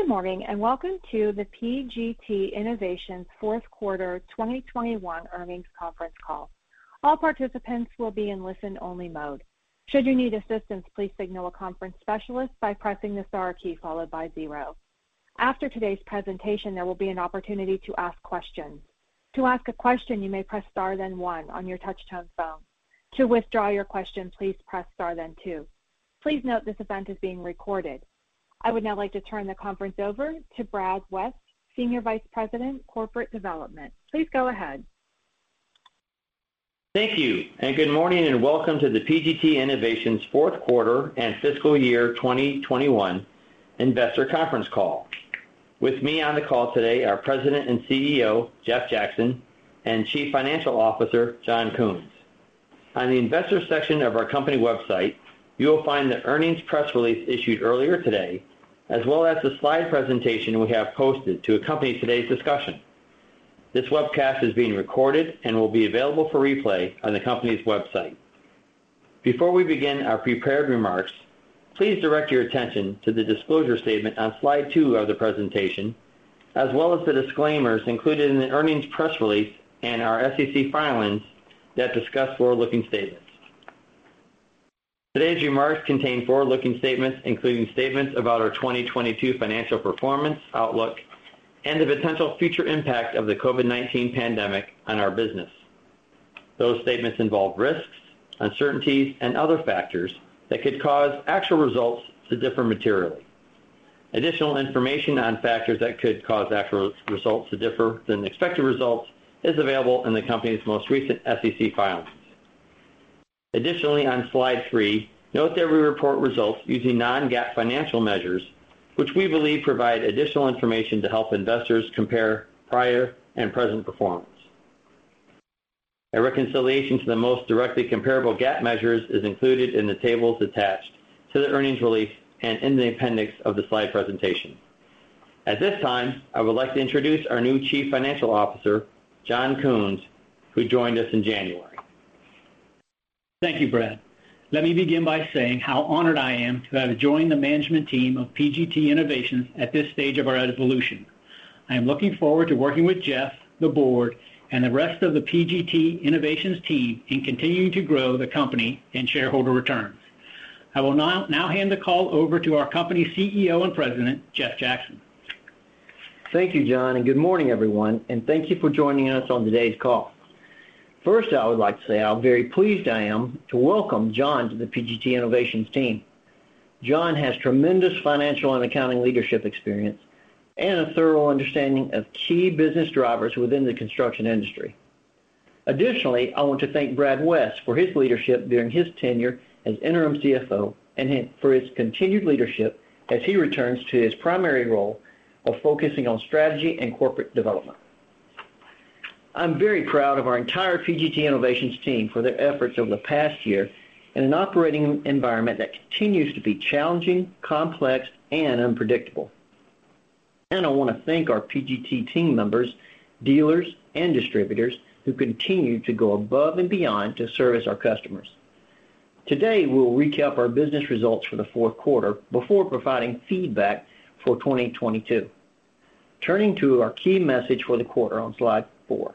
Good morning, and welcome to the PGT Innovations Q4 2021 earnings conference call. All participants will be in listen-only mode. Should you need assistance, please signal a conference specialist by pressing the star key followed by zero. After today's presentation, there will be an opportunity to ask questions. To ask a question, you may press star then one on your touch-tone phone. To withdraw your question, please press star then two. Please note this event is being recorded. I would now like to turn the conference over to Brad West, Senior Vice President, Corporate Development. Please go ahead. Thank you. Good morning, and welcome to the PGT Innovations Q4 and fiscal year 2021 investor conference call. With me on the call today are President and CEO Jeff Jackson, and Chief Financial Officer John Kunz. On the investor section of our company website, you will find the earnings press release issued earlier today, as well as the slide presentation we have posted to accompany today's discussion. This webcast is being recorded and will be available for replay on the company's website. Before we begin our prepared remarks, please direct your attention to the disclosure statement on slide two of the presentation, as well as the disclaimers included in the earnings press release and our SEC filings that discuss forward-looking statements. Today's remarks contain forward-looking statements, including statements about our 2022 financial performance outlook and the potential future impact of the COVID-19 pandemic on our business. Those statements involve risks, uncertainties, and other factors that could cause actual results to differ materially. Additional information on factors that could cause actual results to differ from expected results is available in the company's most recent SEC filings. Additionally, on slide three, note that we report results using non-GAAP financial measures, which we believe provide additional information to help investors compare prior and present performance. A reconciliation to the most directly comparable GAAP measures is included in the tables attached to the earnings release and in the appendix of the slide presentation. At this time, I would like to introduce our new Chief Financial Officer, John Kunz, who joined us in January. Thank you, Brad. Let me begin by saying how honored I am to have joined the management team of PGT Innovations at this stage of our evolution. I am looking forward to working with Jeff, the board, and the rest of the PGT Innovations team in continuing to grow the company and shareholder returns. I will now hand the call over to our company CEO and President, Jeff Jackson. Thank you, John, and good morning, everyone, and thank you for joining us on today's call. First, I would like to say how very pleased I am to welcome John to the PGT Innovations team. John has tremendous financial and accounting leadership experience and a thorough understanding of key business drivers within the construction industry. Additionally, I want to thank Brad West for his leadership during his tenure as interim CFO for his continued leadership as he returns to his primary role of focusing on strategy and corporate development. I'm very proud of our entire PGT Innovations team for their efforts over the past year in an operating environment that continues to be challenging, complex, and unpredictable. I wanna thank our PGT team members, dealers, and distributors who continue to go above and beyond to service our customers. Today, we'll recap our business results for the Q4 before providing feedback for 2022. Turning to our key message for the quarter on slide four.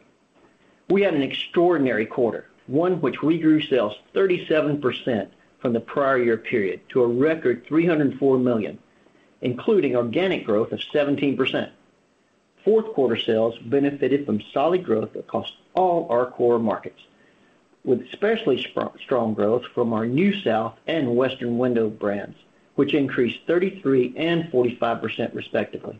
We had an extraordinary quarter, one which we grew sales 37% from the prior year period to a record $304 million, including organic growth of 17%. Q4 sales benefited from solid growth across all our core markets, with especially strong growth from our NewSouth and Western Window Systems brands, which increased 33% and 45% respectively.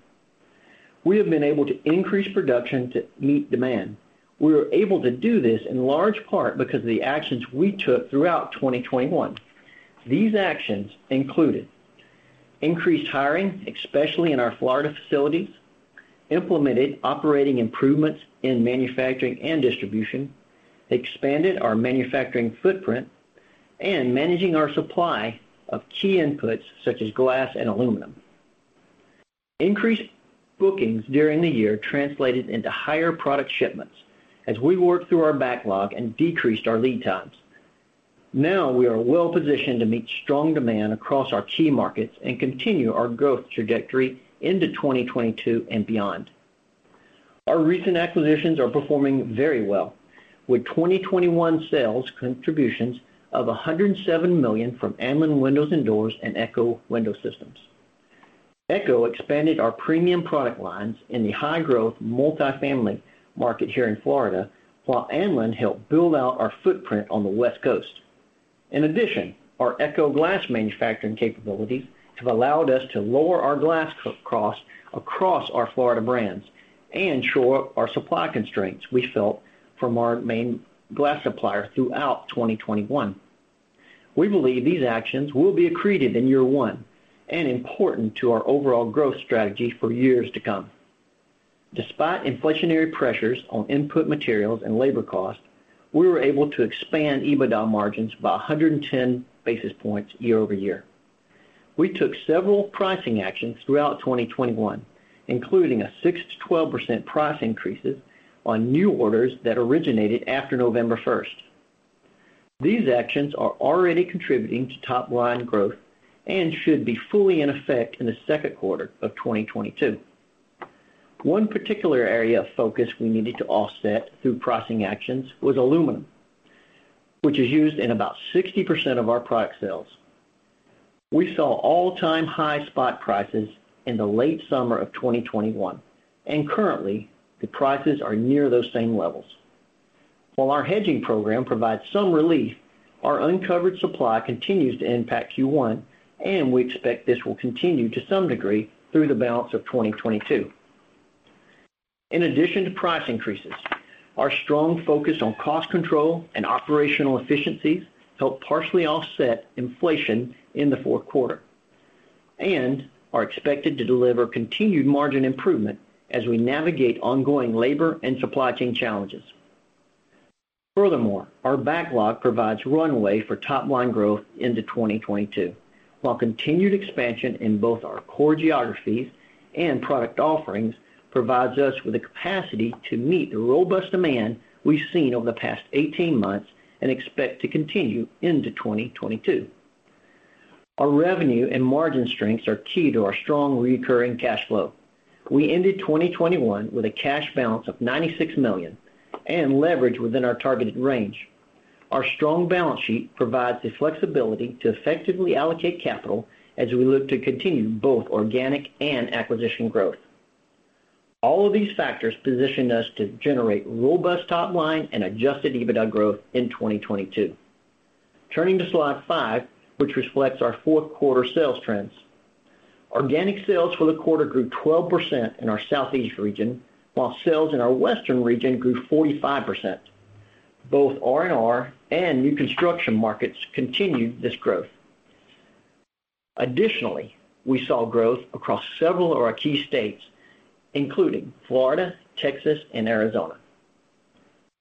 We have been able to increase production to meet demand. We were able to do this in large part because of the actions we took throughout 2021. These actions included increased hiring, especially in our Florida facilities, implemented operating improvements in manufacturing and distribution, expanded our manufacturing footprint, and managing our supply of key inputs such as glass and aluminum. Increased bookings during the year translated into higher product shipments as we worked through our backlog and decreased our lead times. Now we are well-positioned to meet strong demand across our key markets and continue our growth trajectory into 2022 and beyond. Our recent acquisitions are performing very well with 2021 sales contributions of $107 million from Anlin Windows & Doors and Eco Window Systems. Eco expanded our premium product lines in the high-growth multifamily market here in Florida, while Anlin helped build out our footprint on the West Coast. In addition, our Eco glass manufacturing capabilities have allowed us to lower our glass costs across our Florida brands and shore up our supply constraints we felt from our main glass supplier throughout 2021. We believe these actions will be accreted in year one and important to our overall growth strategy for years to come. Despite inflationary pressures on input materials and labor costs, we were able to expand EBITDA margins by 110 basis points year over year. We took several pricing actions throughout 2021, including a 6%-12% price increases on new orders that originated after November 1st. These actions are already contributing to top line growth and should be fully in effect in the Q2 of 2022. One particular area of focus we needed to offset through pricing actions was aluminum, which is used in about 60% of our product sales. We saw all-time high spot prices in the late summer of 2021, and currently the prices are near those same levels. While our hedging program provides some relief, our uncovered supply continues to impact Q1, and we expect this will continue to some degree through the balance of 2022. In addition to price increases, our strong focus on cost control and operational efficiencies helped partially offset inflation in the Q4 and are expected to deliver continued margin improvement as we navigate ongoing labor and supply chain challenges. Furthermore, our backlog provides runway for top line growth into 2022, while continued expansion in both our core geographies and product offerings provides us with the capacity to meet the robust demand we've seen over the past 18 months and expect to continue into 2022. Our revenue and margin strengths are key to our strong recurring cash flow. We ended 2021 with a cash balance of $96 million and leverage within our targeted range. Our strong balance sheet provides the flexibility to effectively allocate capital as we look to continue both organic and acquisition growth. All of these factors position us to generate robust top line and adjusted EBITDA growth in 2022. Turning to slide five, which reflects our Q4 sales trends. Organic sales for the quarter grew 12% in our Southeast region, while sales in our Western region grew 45%. Both R&R and new construction markets continued this growth. Additionally, we saw growth across several of our key states, including Florida, Texas, and Arizona.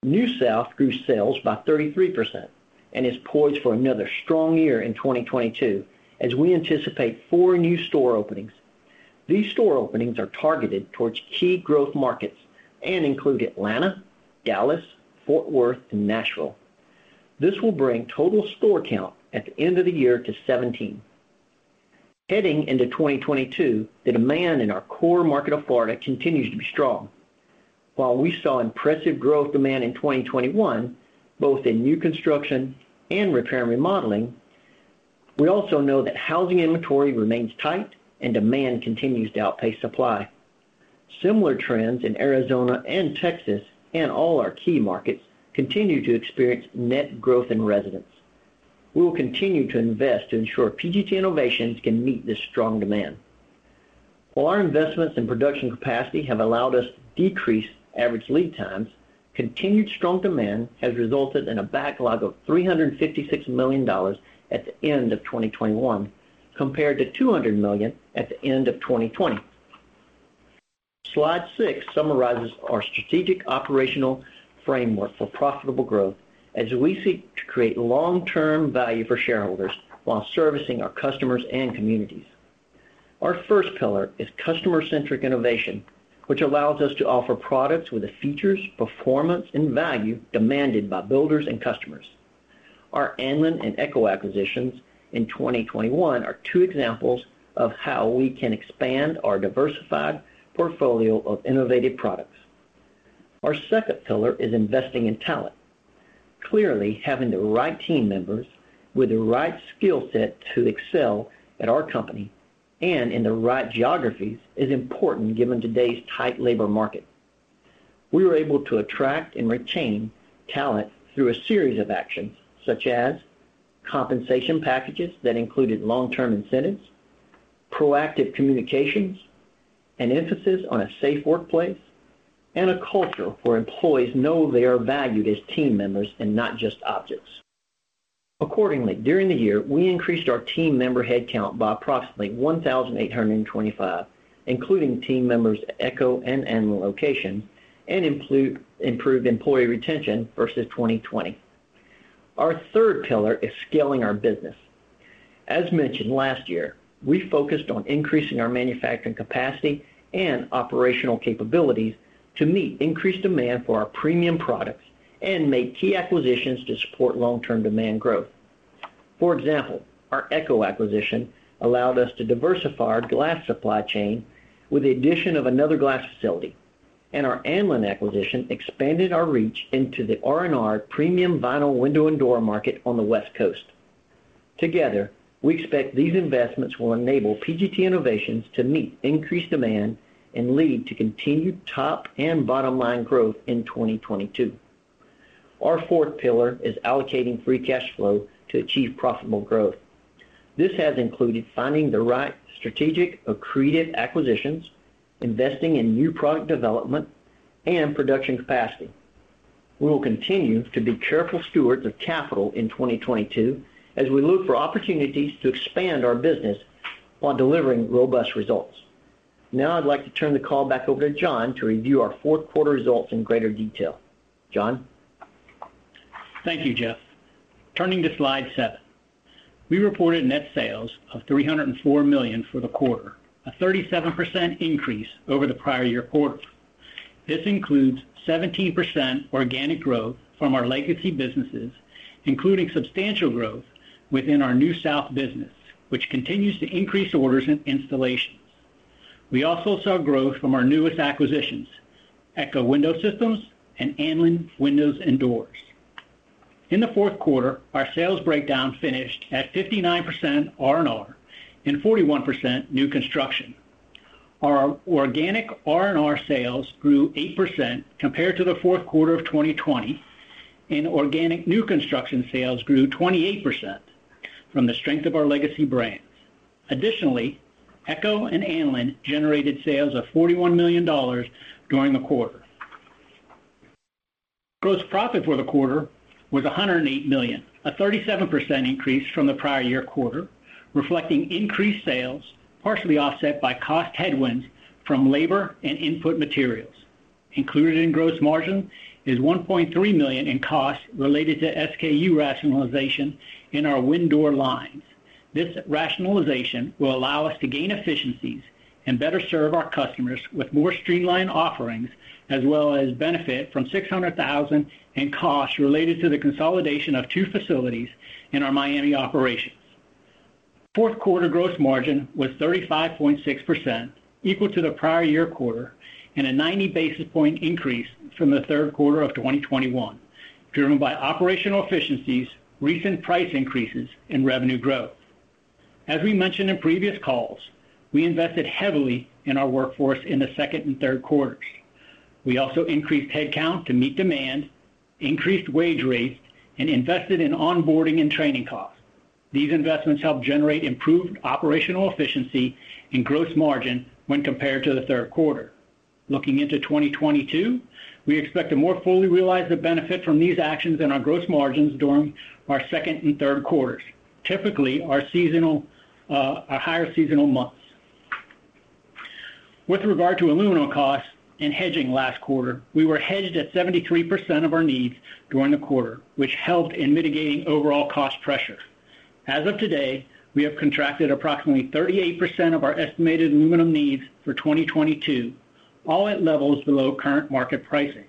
NewSouth grew sales by 33% and is poised for another strong year in 2022 as we anticipate four new store openings. These store openings are targeted towards key growth markets and include Atlanta, Dallas, Fort Worth, and Nashville. This will bring total store count at the end of the year to 17. Heading into 2022, the demand in our core market of Florida continues to be strong. While we saw impressive growth demand in 2021, both in new construction and repair and remodeling, we also know that housing inventory remains tight and demand continues to outpace supply. Similar trends in Arizona and Texas and all our key markets continue to experience net growth in residents. We will continue to invest to ensure PGT Innovations can meet this strong demand. While our investments in production capacity have allowed us to decrease average lead times, continued strong demand has resulted in a backlog of $356 million at the end of 2021 compared to $200 million at the end of 2020. Slide six summarizes our strategic operational framework for profitable growth as we seek to create long-term value for shareholders while servicing our customers and communities. Our first pillar is customer-centric innovation, which allows us to offer products with the features, performance and value demanded by builders and customers. Our Anlin and Eco acquisitions in 2021 are two examples of how we can expand our diversified portfolio of innovative products. Our second pillar is investing in talent. Clearly, having the right team members with the right skill set to excel at our company and in the right geographies is important given today's tight labor market. We were able to attract and retain talent through a series of actions such as compensation packages that included long-term incentives, proactive communications, an emphasis on a safe workplace, and a culture where employees know they are valued as team members and not just objects. Accordingly, during the year, we increased our team member headcount by approximately 1,825, including team members at Eco and Anlin locations, and improved employee retention versus 2020. Our third pillar is scaling our business. As mentioned last year, we focused on increasing our manufacturing capacity and operational capabilities to meet increased demand for our premium products and made key acquisitions to support long-term demand growth. For example, our Eco acquisition allowed us to diversify our glass supply chain with the addition of another glass facility, and our Anlin acquisition expanded our reach into the R&R premium vinyl window and door market on the West Coast. Together, we expect these investments will enable PGT Innovations to meet increased demand and lead to continued top and bottom line growth in 2022. Our fourth pillar is allocating free cash flow to achieve profitable growth. This has included finding the right strategic accretive acquisitions, investing in new product development and production capacity. We will continue to be careful stewards of capital in 2022 as we look for opportunities to expand our business while delivering robust results. Now I'd like to turn the call back over to John to review our Q4 results in greater detail. John? Thank you, Jeff. Turning to slide seven. We reported net sales of $304 million for the quarter, a 37% increase over the prior year quarter. This includes 17% organic growth from our legacy businesses, including substantial growth within our NewSouth business, which continues to increase orders and installations. We also saw growth from our newest acquisitions, Eco Window Systems and Anlin Windows & Doors. In the Q4, our sales breakdown finished at 59% R&R and 41% new construction. Our organic R&R sales grew 8% compared to the Q4 of 2020, and organic new construction sales grew 28% from the strength of our legacy brands. Additionally, Eco and Anlin generated sales of $41 million during the quarter. Gross profit for the quarter was $108 million, a 37% increase from the prior year quarter, reflecting increased sales, partially offset by cost headwinds from labor and input materials. Included in gross margin is $1.3 million in costs related to SKU rationalization in our WinDoor lines. This rationalization will allow us to gain efficiencies and better serve our customers with more streamlined offerings, as well as benefit from $600,000 in costs related to the consolidation of two facilities in our Miami operations. Q4 gross margin was 35.6%, equal to the prior year quarter, and a 90 basis point increase from the Q3 of 2021, driven by operational efficiencies, recent price increases and revenue growth. As we mentioned in previous calls, we invested heavily in our workforce in the Q2 and Q3. We also increased headcount to meet demand, increased wage rates, and invested in onboarding and training costs. These investments helped generate improved operational efficiency and gross margin when compared to the Q3. Looking into 2022, we expect to more fully realize the benefit from these actions in our gross margins during our Q2 and Q3, typically our seasonal, our higher seasonal months. With regard to aluminum costs and hedging last quarter, we were hedged at 73% of our needs during the quarter, which helped in mitigating overall cost pressure. As of today, we have contracted approximately 38% of our estimated aluminum needs for 2022, all at levels below current market pricing.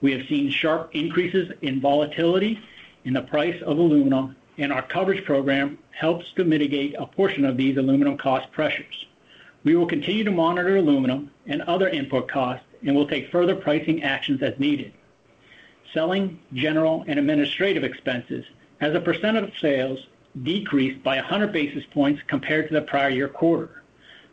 We have seen sharp increases in volatility in the price of aluminum, and our coverage program helps to mitigate a portion of these aluminum cost pressures. We will continue to monitor aluminum and other input costs and will take further pricing actions as needed. Selling, general and administrative expenses as a percent of sales decreased by 100 basis points compared to the prior year quarter.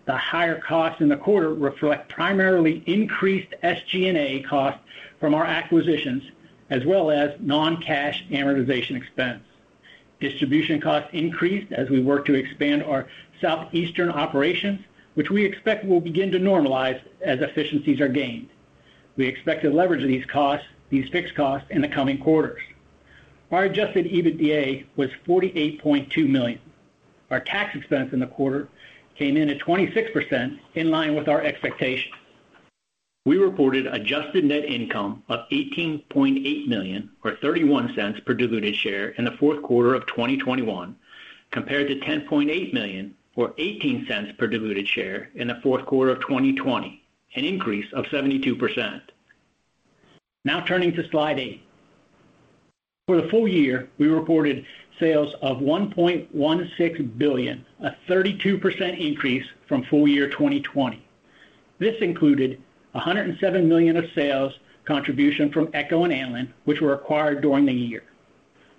The higher costs in the quarter reflect primarily increased SG&A costs from our acquisitions as well as non-cash amortization expense. Distribution costs increased as we work to expand our southeastern operations, which we expect will begin to normalize as efficiencies are gained. We expect to leverage these costs, these fixed costs, in the coming quarters. Our adjusted EBITDA was $48.2 million. Our tax expense in the quarter came in at 26% in line with our expectations. We reported adjusted net income of $18.8 million, or $0.31 per diluted share in the Q4 of 2021, compared to $10.8 million or $0.18 per diluted share in the Q4 of 2020, an increase of 72%. Now turning to slide eight. For the full year, we reported sales of $1.16 billion, a 32% increase from full year 2020. This included $107 million of sales contribution from Eco and Anlin, which were acquired during the year.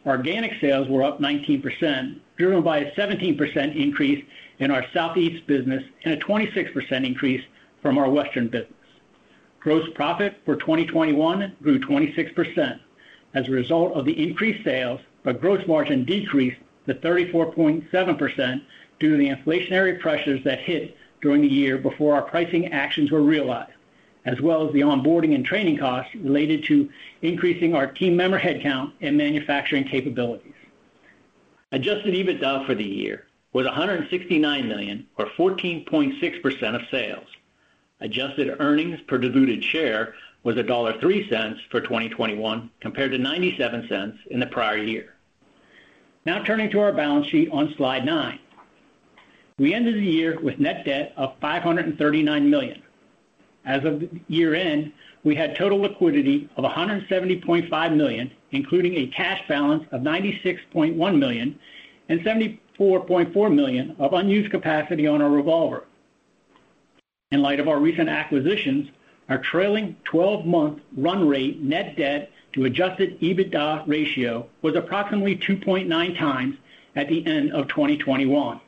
Organic sales were up 19%, driven by a 17% increase in our Southeast business and a 26% increase from our Western business. Gross profit for 2021 grew 26% as a result of the increased sales, but gross margin decreased to 34.7% due to the inflationary pressures that hit during the year before our pricing actions were realized, as well as the onboarding and training costs related to increasing our team member headcount and manufacturing capabilities. Adjusted EBITDA for the year was $169 million or 14.6% of sales. Adjusted earnings per diluted share was $1.03 for 2021 compared to $0.97 in the prior year. Now turning to our balance sheet on slide nine. We ended the year with net debt of $539 million. As of the year-end, we had total liquidity of $170.5 million, including a cash balance of $96.1 million and $74.4 million of unused capacity on our revolver. In light of our recent acquisitions, our trailing twelve-month run rate net debt to adjusted EBITDA ratio was approximately 2.9x at the end of 2021.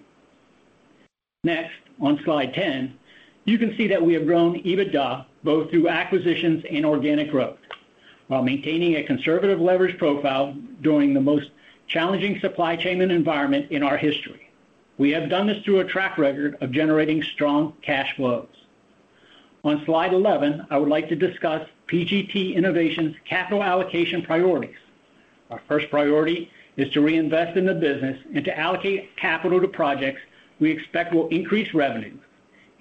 Next, on slide 10, you can see that we have grown EBITDA both through acquisitions and organic growth while maintaining a conservative leverage profile during the most challenging supply chain and environment in our history. We have done this through a track record of generating strong cash flows. On slide 11, I would like to discuss PGT Innovations' capital allocation priorities. Our first priority is to reinvest in the business and to allocate capital to projects we expect will increase revenue,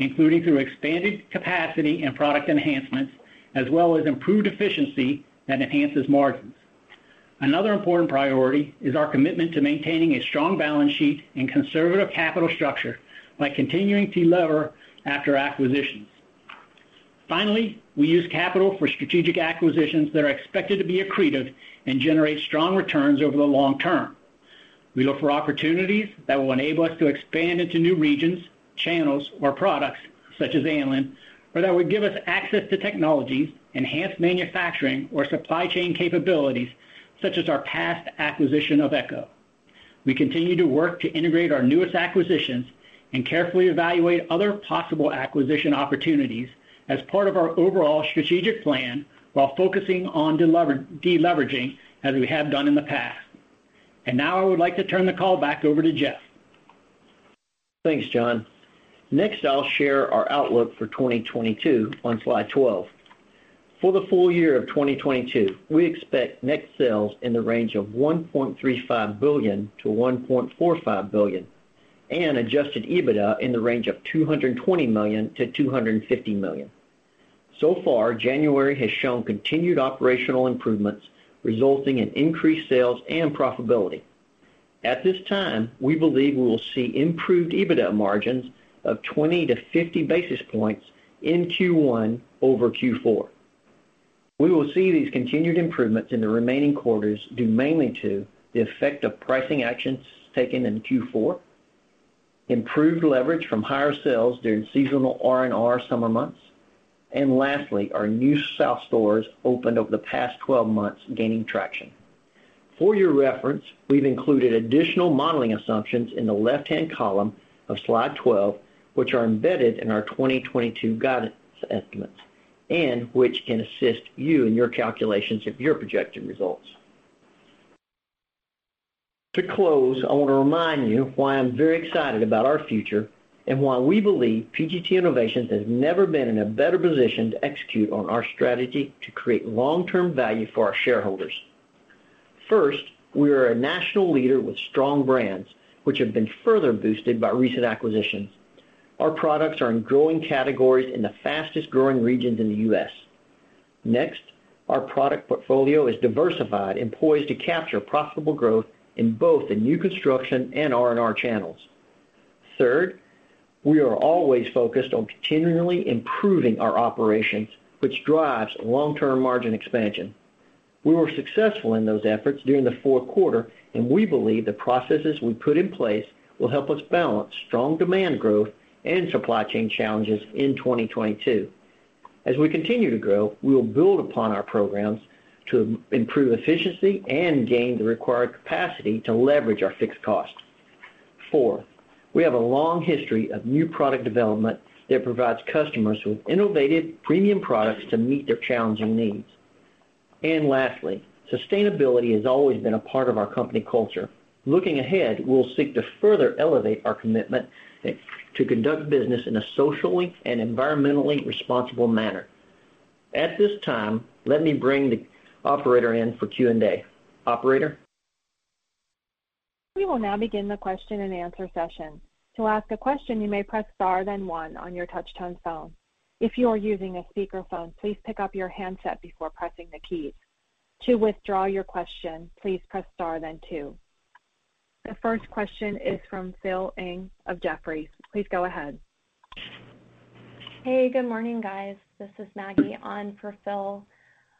including through expanded capacity and product enhancements, as well as improved efficiency that enhances margins. Another important priority is our commitment to maintaining a strong balance sheet and conservative capital structure by continuing to leverage after acquisitions. Finally, we use capital for strategic acquisitions that are expected to be accretive and generate strong returns over the long term. We look for opportunities that will enable us to expand into new regions, channels or products such as Anlin, or that would give us access to technologies, enhanced manufacturing or supply chain capabilities such as our past acquisition of Eco. We continue to work to integrate our newest acquisitions and carefully evaluate other possible acquisition opportunities as part of our overall strategic plan while focusing on deleveraging as we have done in the past. Now I would like to turn the call back over to Jeff. Thanks, John. Next, I'll share our outlook for 2022 on slide 12. For the full year of 2022, we expect net sales in the range of $1.35 billion-$1.45 billion, and adjusted EBITDA in the range of $220 million-$250 million. So far, January has shown continued operational improvements, resulting in increased sales and profitability. At this time, we believe we will see improved EBITDA margins of 20-50 basis points in Q1 over Q4. We will see these continued improvements in the remaining quarters due mainly to the effect of pricing actions taken in Q4, improved leverage from higher sales during seasonal R&R summer months, and lastly, our NewSouth stores opened over the past 12 months gaining traction. For your reference, we've included additional modeling assumptions in the left-hand column of slide 12, which are embedded in our 2022 guidance estimates, and which can assist you in your calculations of your projected results. To close, I want to remind you why I'm very excited about our future and why we believe PGT Innovations has never been in a better position to execute on our strategy to create long-term value for our shareholders. First, we are a national leader with strong brands, which have been further boosted by recent acquisitions. Our products are in growing categories in the fastest-growing regions in the U.S. Next, our product portfolio is diversified and poised to capture profitable growth in both the new construction and R&R channels. Third, we are always focused on continually improving our operations, which drives long-term margin expansion. We were successful in those efforts during the Q4, and we believe the processes we put in place will help us balance strong demand growth and supply chain challenges in 2022. As we continue to grow, we will build upon our programs to improve efficiency and gain the required capacity to leverage our fixed costs. Four, we have a long history of new product development that provides customers with innovative premium products to meet their challenging needs. Lastly, sustainability has always been a part of our company culture. Looking ahead, we'll seek to further elevate our commitment to conduct business in a socially and environmentally responsible manner. At this time, let me bring the operator in for Q&A. Operator? We will now begin the question and answer session. To ask a question, you may press star then one on your touch-tone phone. If you are using a speakerphone, please pick up your handset before pressing the keys. To withdraw your question, please press star then two. The first question is from Phil Ng of Jefferies. Please go ahead. Hey, good morning, guys. This is Maggie on for Phil.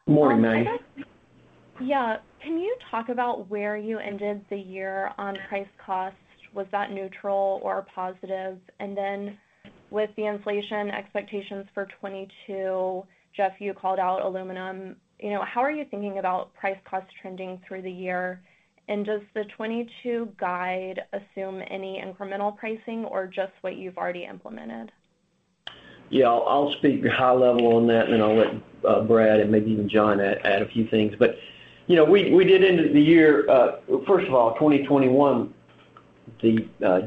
Morning, Maggie. Yeah. Can you talk about where you ended the year on price cost? Was that neutral or positive? And then with the inflation expectations for 2022, Jeff, you called out aluminum. You know, how are you thinking about price cost trending through the year? And does the 2022 guide assume any incremental pricing or just what you've already implemented? Yeah. I'll speak high level on that, and then I'll let Brad and maybe even John add a few things. You know, we did end the year. First of all, 2021, the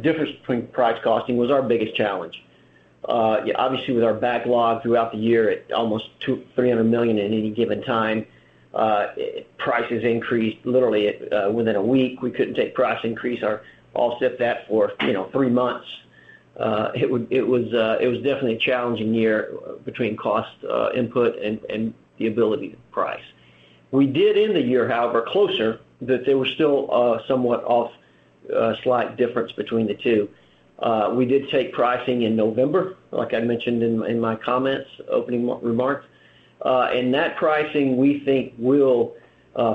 difference between pricing and costing was our biggest challenge. Yeah, obviously with our backlog throughout the year at almost $200 million-$300 million in any given time, prices increased literally within a week. We couldn't take price increase or offset that for, you know, three months. It was definitely a challenging year between input costs and the ability to price. We did end the year, however, closer, but there was still somewhat off, a slight difference between the two. We did take pricing in November, like I mentioned in my opening remarks. That pricing, we think, will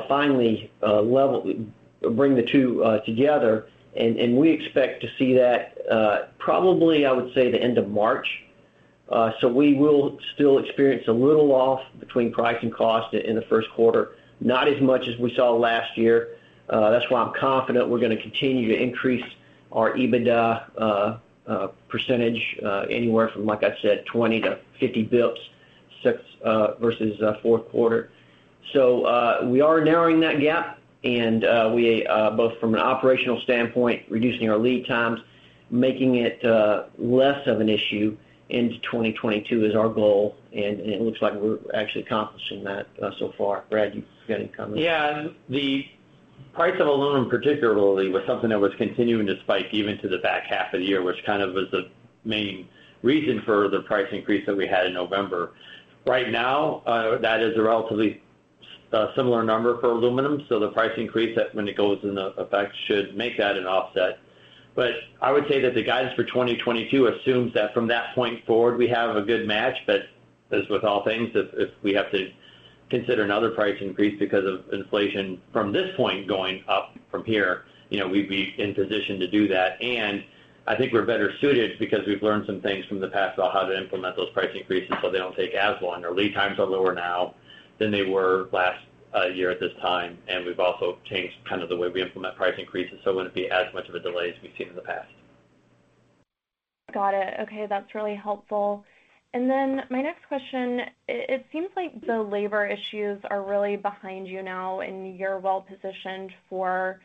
finally bring the two together. We expect to see that, probably, I would say, the end of March. We will still experience a little loss between price and cost in the Q1. Not as much as we saw last year. That's why I'm confident we're gonna continue to increase our EBITDA percentage anywhere from, like I said, 20-50 basis points versus Q4. We are narrowing that gap, and we both from an operational standpoint, reducing our lead times, making it less of an issue into 2022 is our goal, and it looks like we're actually accomplishing that so far. Brad, you got any comments? Price of aluminum particularly was something that was continuing to spike even to the back half of the year, which kind of was the main reason for the price increase that we had in November. Right now, that is a relatively similar number for aluminum, so the price increase that when it goes into effect should make that an offset. I would say that the guidance for 2022 assumes that from that point forward, we have a good match. As with all things, if we have to consider another price increase because of inflation from this point going up from here, you know, we'd be in position to do that. I think we're better suited because we've learned some things from the past about how to implement those price increases, so they don't take as long. Our lead times are lower now than they were last year at this time, and we've also changed kind of the way we implement price increases, so it wouldn't be as much of a delay as we've seen in the past. Got it. Okay, that's really helpful. My next question. It seems like the labor issues are really behind you now, and you're well-positioned for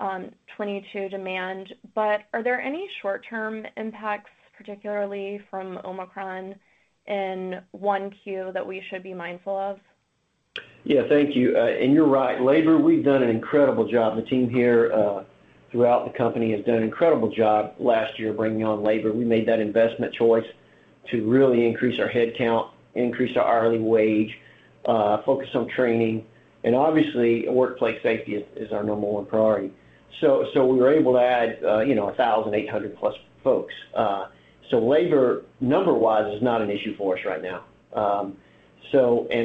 2022 demand. But are there any short-term impacts, particularly from Omicron in Q1 that we should be mindful of? Yeah, thank you. You're right. Labor, we've done an incredible job. The team here throughout the company has done an incredible job last year bringing on labor. We made that investment choice to really increase our head count, increase our hourly wage, focus on training, and obviously, workplace safety is our number one priority. We were able to add, you know, 1,800+ folks. Labor, number-wise, is not an issue for us right now.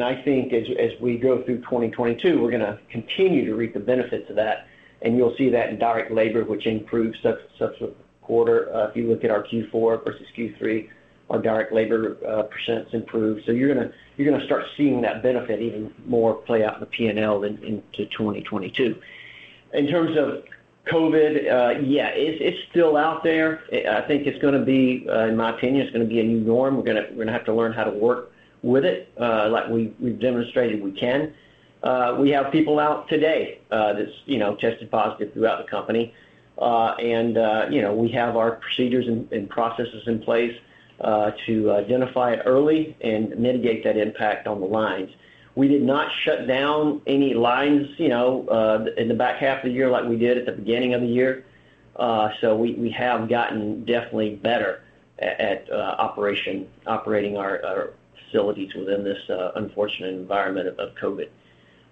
I think as we go through 2022, we're gonna continue to reap the benefits of that, and you'll see that in direct labor, which improves quarter-over-quarter. If you look at our Q4 versus Q3, our direct labor percent improved. You're gonna start seeing that benefit even more play out in the P&L into 2022. In terms of COVID, yeah, it's still out there. I think it's gonna be, in my opinion, a new norm. We're gonna have to learn how to work with it, like we've demonstrated we can. We have people out today that, you know, tested positive throughout the company. You know, we have our procedures and processes in place to identify it early and mitigate that impact on the lines. We did not shut down any lines, you know, in the back half of the year like we did at the beginning of the year. We have gotten definitely better at operating our facilities within this unfortunate environment of COVID.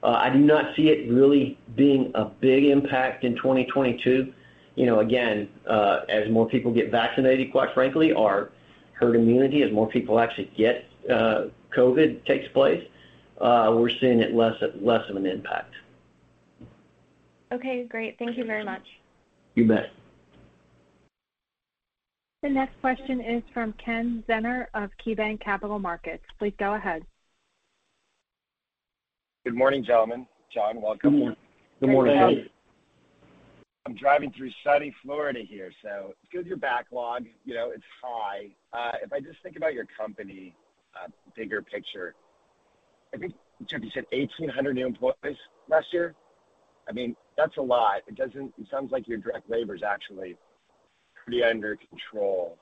I do not see it really being a big impact in 2022. You know, again, as more people get vaccinated, quite frankly, our herd immunity, as more people actually get COVID takes place, we're seeing it less of an impact. Okay, great. Thank you very much. You bet. The next question is from Ken Zener of KeyBanc Capital Markets. Please go ahead. Good morning, gentlemen. John, welcome. Good morning. Good day. I'm driving through sunny Florida here, so given your backlog, you know, it's high. If I just think about your company, bigger picture, I think, Jeff, you said 1,800 new employees last year? I mean, that's a lot. It sounds like your direct labor is actually pretty under control.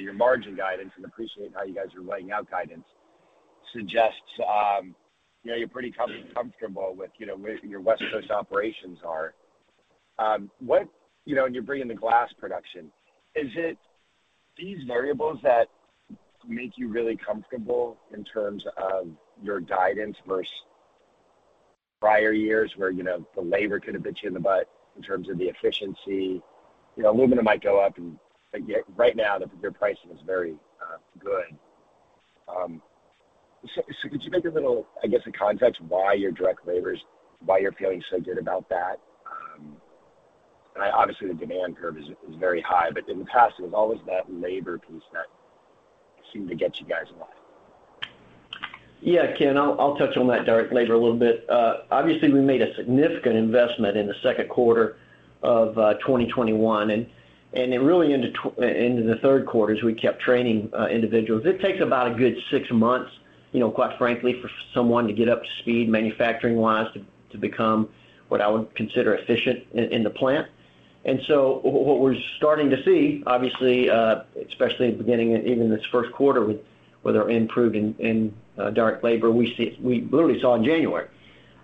Your margin guidance, I appreciate how you guys are laying out guidance, suggests, you know, you're pretty comfortable with, you know, where your West Coast operations are. What, you know, and you bring in the glass production. Is it these variables that make you really comfortable in terms of your guidance versus prior years where, you know, the labor could have bit you in the butt in terms of the efficiency? You know, aluminum might go up, and yeah, right now your pricing is very good. Could you make a little, I guess, a context why your direct labor's, why you're feeling so good about that? Obviously, the demand curve is very high, but in the past, it was always that labor piece that seemed to get you guys a lot. Yeah, Ken. I'll touch on that direct labor a little bit. Obviously, we made a significant investment in the Q2 of 2021, and it really into the Q3 as we kept training individuals. It takes about a good six months, you know, quite frankly, for someone to get up to speed manufacturing-wise, to become what I would consider efficient in the plant. What we're starting to see, obviously, especially in the beginning, even this Q1 with our improvement in direct labor, we literally saw in January,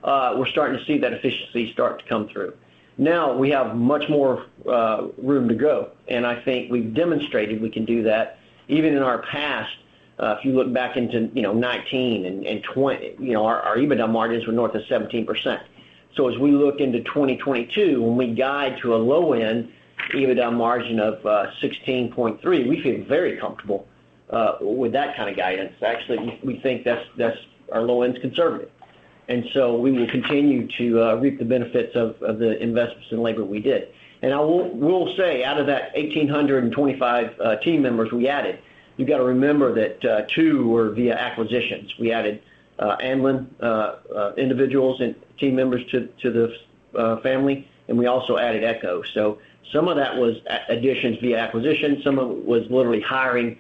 we're starting to see that efficiency start to come through. Now, we have much more room to go, and I think we've demonstrated we can do that. Even in our past, if you look back into 2019 and 2020, our EBITDA margins were north of 17%. As we look into 2022, when we guide to a low end EBITDA margin of 16.3%, we feel very comfortable with that kind of guidance. Actually, we think that's our low end's conservative. We will continue to reap the benefits of the investments in labor we did. I will say out of that 1,825 team members we added, you've got to remember that 200 were via acquisitions. We added Anlin individuals and team members to the family, and we also added Eco. Some of that was additions via acquisition. Some of it was literally hiring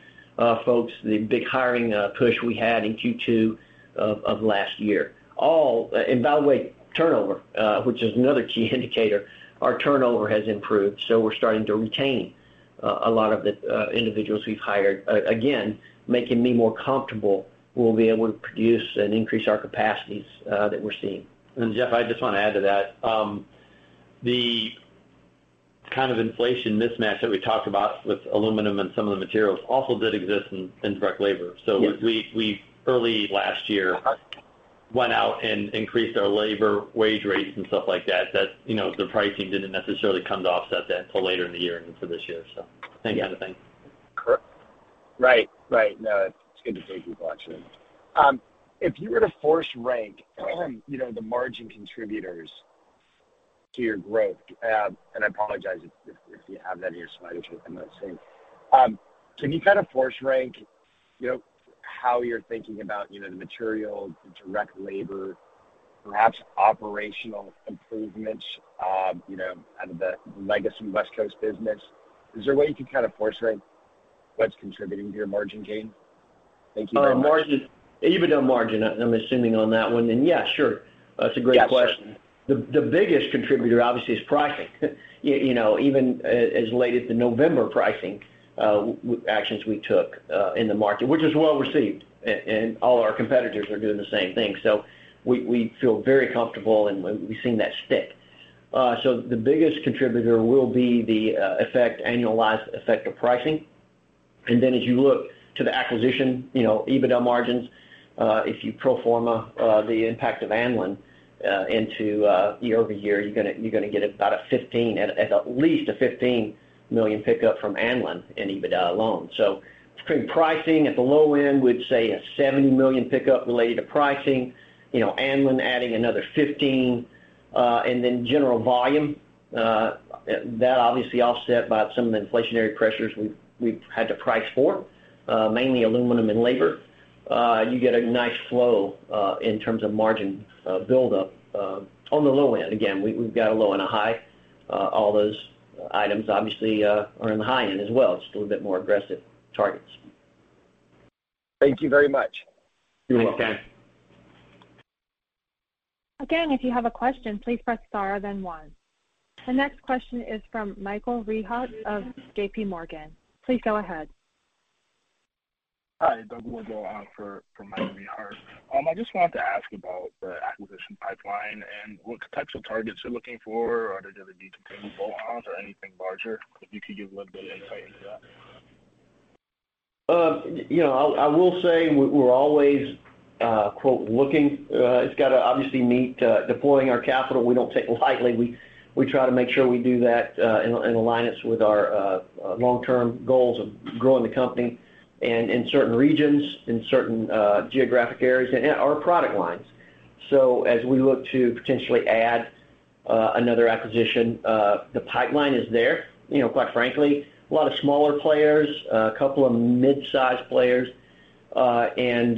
folks, the big hiring push we had in Q2 of last year. By the way, turnover, which is another key indicator, our turnover has improved, so we're starting to retain a lot of the individuals we've hired. Again, making me more comfortable we'll be able to produce and increase our capacities that we're seeing. Jeff, I just want to add to that. The kind of inflation mismatch that we talked about with aluminum and some of the materials also did exist in direct labor. Yes. We early last year went out and increased our labor wage rates and stuff like that, you know, the pricing didn't necessarily come to offset that until later in the year and for this year. Same kind of thing. Correct. Right. No, it's good to see people actually. If you were to force rank, you know, the margin contributors to your growth, and I apologize if you have that in your slides, which I'm not seeing. Can you kind of force rank, you know, how you're thinking about, you know, the material, the direct labor, perhaps operational improvements, you know, out of the legacy West Coast business? Is there a way you can kind of force rank what's contributing to your margin gain? Thank you very much. Margin. EBITDA margin, I'm assuming on that one, then yeah, sure. That's a great question. Yes. The biggest contributor obviously is pricing. You know, even as late as the November pricing actions we took in the market, which was well received. All our competitors are doing the same thing. We feel very comfortable and we've seen that stick. The biggest contributor will be the annualized effect of pricing. Then as you look to the acquisition, you know, EBITDA margins, if you pro forma the impact of Anlin into year-over-year, you're gonna get about $15 million, at least $15 million pickup from Anlin in EBITDA alone. Between pricing at the low end, we'd say a $70 million pickup related to pricing, you know, Anlin adding another $15 million, and then general volume, that obviously offset by some of the inflationary pressures we've had to price for, mainly aluminum and labor. You get a nice flow in terms of margin buildup on the low end. Again, we've got a low and a high. All those items obviously are in the high end as well. It's just a little bit more aggressive targets. Thank you very much. You're welcome. Thanks, guys. Again, if you have a question, please press star then one. The next question is from Michael Rehaut of JPMorgan. Please go ahead. Hi, Doug Wardlaw on for Michael Rehaut. I just wanted to ask about the acquisition pipeline and what types of targets you're looking for. Are they going to be continual bolt-ons or anything larger? If you could give a little bit of insight into that. You know, I will say we're always "looking." It's got to obviously meet deploying our capital, we don't take lightly. We try to make sure we do that in alignment with our long-term goals of growing the company and in certain regions, in certain geographic areas and our product lines. As we look to potentially add another acquisition, the pipeline is there. You know, quite frankly, a lot of smaller players, a couple of mid-sized players, and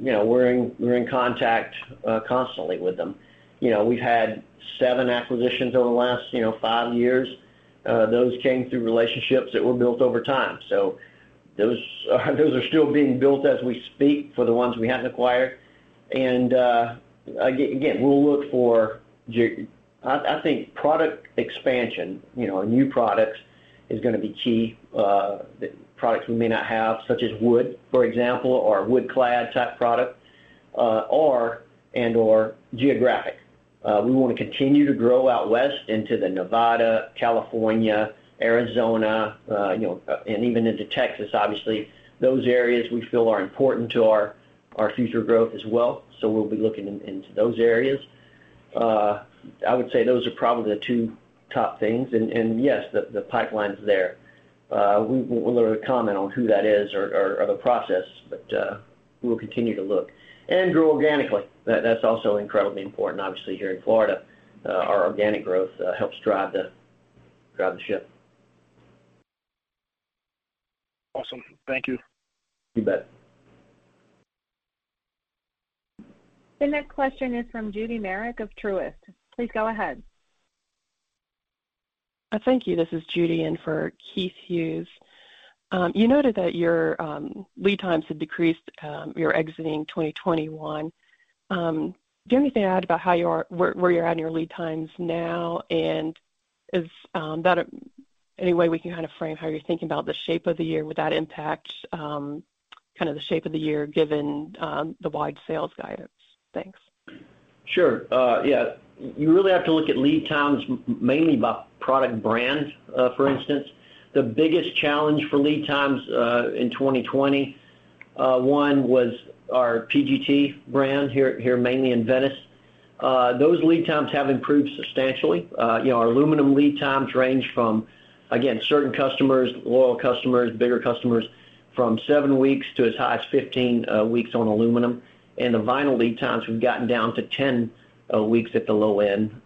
you know, we're in contact constantly with them. You know, we've had seven acquisitions over the last, you know, five years. Those came through relationships that were built over time. Those are still being built as we speak for the ones we haven't acquired. Again, we'll look for—I think product expansion, you know, new products is gonna be key. Products we may not have, such as wood, for example, or wood clad type product, or and/or geographic. We want to continue to grow out west into Nevada, California, Arizona, you know, and even into Texas. Obviously, those areas we feel are important to our future growth as well. We'll be looking into those areas. I would say those are probably the two top things. Yes, the pipeline's there. We wouldn't comment on who that is or the process, but we'll continue to look. Grow organically. That's also incredibly important. Obviously, here in Florida, our organic growth helps drive the ship. Awesome. Thank you. You bet. The next question is from Judy Merrick of Truist. Please go ahead. Thank you. This is Judy in for Keith Hughes. You noted that your lead times had decreased, you're exiting 2021. Do you have anything to add about where you're at in your lead times now? Is that any way we can kind of frame how you're thinking about the shape of the year? Would that impact kind of the shape of the year given the wide sales guidance? Thanks. Sure. Yeah. You really have to look at lead times mainly by product brand for instance. The biggest challenge for lead times in 2021 was our PGT brand here mainly in Venice. Those lead times have improved substantially. You know, our aluminum lead times range from, again, certain customers, loyal customers, bigger customers, seven-15 weeks on aluminum. The vinyl lead times, we've gotten down to 10 weeks at the low end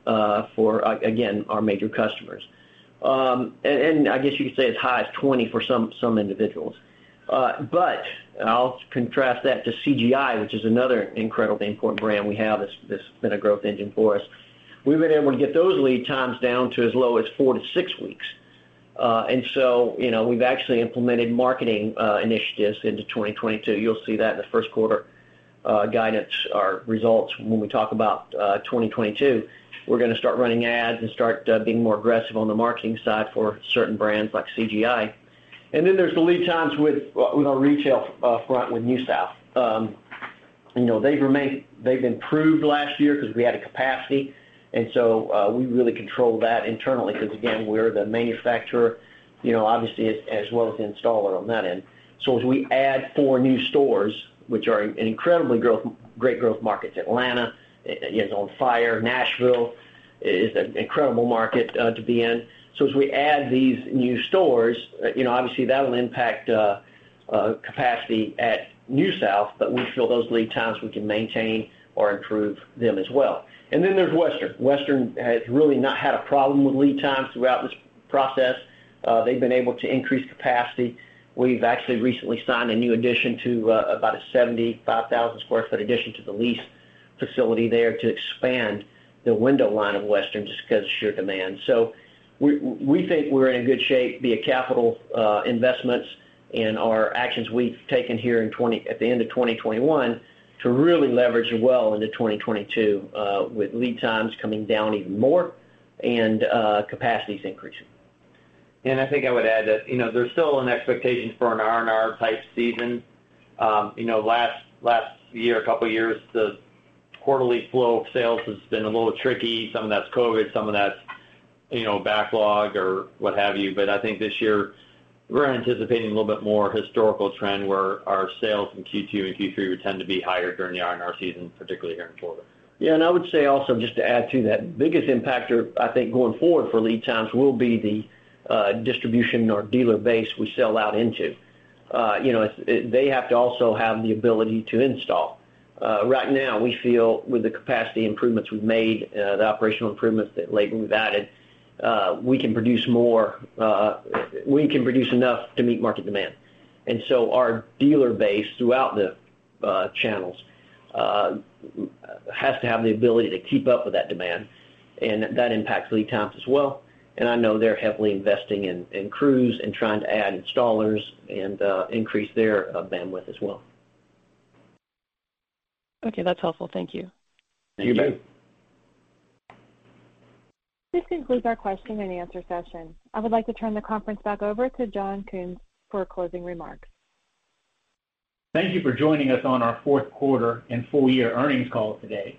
for our major customers. I guess you could say as high as 20 for some individuals. I'll contrast that to CGI, which is another incredibly important brand we have that's been a growth engine for us. We've been able to get those lead times down to as low as four-six weeks. You know, we've actually implemented marketing initiatives into 2022. You'll see that in the Q1 guidance, our results when we talk about 2022. We're gonna start running ads and start being more aggressive on the marketing side for certain brands like CGI. Then there's the lead times with our retail front with NewSouth. You know, they've improved last year because we had a capacity. We really control that internally because, again, we're the manufacturer, you know, obviously, as well as the installer on that end. As we add four new stores, which are an incredible great growth markets, Atlanta is on fire. Nashville is an incredible market to be in. As we add these new stores, you know, obviously, that'll impact capacity at NewSouth, but we feel those lead times we can maintain or improve them as well. Then there's Western. Western has really not had a problem with lead times throughout this process. They've been able to increase capacity. We've actually recently signed a new addition to about a 75,000 sq ft addition to the leased facility there to expand the window line of Western just because sheer demand. We think we're in good shape with capital investments and our actions we've taken here at the end of 2021 to really leverage well into 2022, with lead times coming down even more and capacities increasing. I think I would add that, you know, there's still an expectation for an R&R type season. You know, last year, a couple of years, the quarterly flow of sales has been a little tricky. Some of that's COVID, some of that's, you know, backlog or what have you. I think this year we're anticipating a little bit more historical trend where our sales in Q2 and Q3 would tend to be higher during the R&R season, particularly here in Florida. I would say also, just to add to that, biggest impactor, I think, going forward for lead times will be the distribution or dealer base we sell out into. You know, they have to also have the ability to install. Right now, we feel with the capacity improvements we've made, the operational improvements that lately we've added, we can produce more, we can produce enough to meet market demand. Our dealer base throughout the channels has to have the ability to keep up with that demand, and that impacts lead times as well. I know they're heavily investing in crews and trying to add installers and increase their bandwidth as well. Okay, that's helpful. Thank you. Thank you. Thank you. This concludes our question and answer session. I would like to turn the conference back over to John Kunz for closing remarks. Thank you for joining us on our Q4 and full year earnings call today.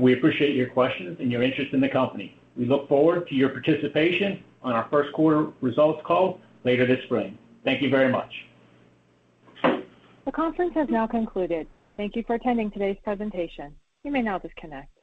We appreciate your questions and your interest in the company. We look forward to your participation on our Q1 results call later this spring. Thank you very much. The conference has now concluded. Thank you for attending today's presentation. You may now disconnect.